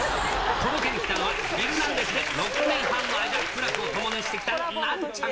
届けにきたのは、ヒルナンデス！で６年半の間、苦楽を共にしてきたナンチャン。